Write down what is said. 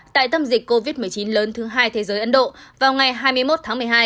tại tâm dịch covid một mươi chín lớn thứ hai thế giới ấn độ vào ngày hai mươi một tháng một mươi hai